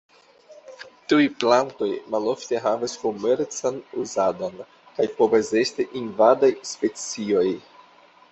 Tiuj plantoj malofte havas komercan uzadon, kaj povas esti invadaj specioj.